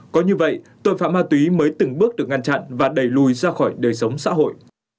có như vậy tội phạm ma túy mới từng bước được ngăn chặn và đẩy lùi ra khỏi đời sống xã hội